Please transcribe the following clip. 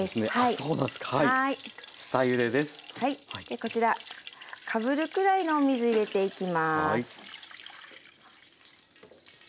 こちらかぶるくらいのお水入れていきます。